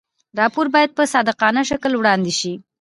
راپور باید په صادقانه شکل وړاندې شي.